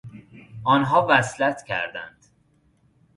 آنها وصلت کردند.